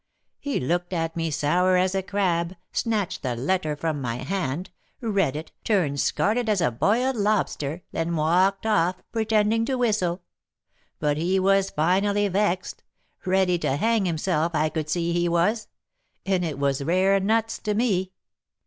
He looked at me sour as a crab, snatched the letter from my hand, read it, turned scarlet as a boiled lobster, then walked off, pretending to whistle; but he was finely vexed, ready to hang himself, I could see he was, and it was rare nuts to me.